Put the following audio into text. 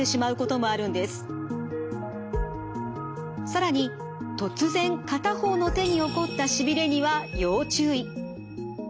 更に突然片方の手に起こったしびれには要注意。